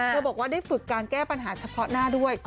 บอกว่าได้ฝึกการแก้ปัญหาเฉพาะหน้าด้วย